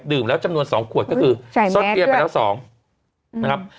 ดื่มแล้วจำนวน๒ขวดก็คือซอสเบียนไปแล้ว๒